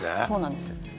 そうなんです。